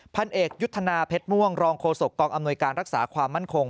พันเอกยุทธนาเพชรม่วงรองโฆษกองอำนวยการรักษาความมั่นคง